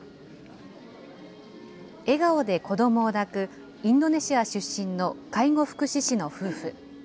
笑顔で子どもを抱くインドネシア出身の介護福祉士の夫婦。